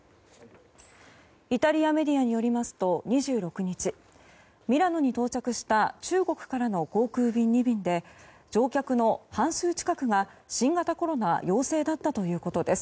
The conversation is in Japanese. イタリアメディアによりますと２６日ミラノに到着した中国からの航空便２便で乗客の半数近くが新型コロナ陽性だったということです。